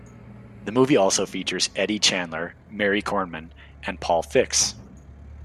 The movie also features Eddy Chandler, Mary Kornman, and Paul Fix.